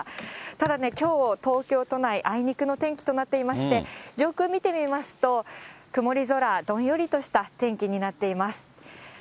ただね、きょう、東京都内、あいにくの天気となっていまして、上空見てみますと、曇り空、どんよりとした天気になっています。